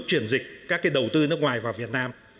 chuyển dịch các cái đầu tư nước ngoài vào việt nam